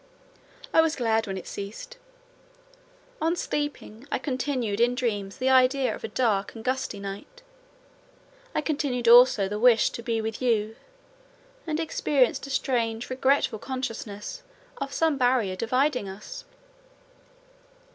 I was glad when it ceased. On sleeping, I continued in dreams the idea of a dark and gusty night. I continued also the wish to be with you, and experienced a strange, regretful consciousness of some barrier dividing us.